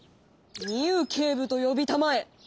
ミウ警部とよびたまえ！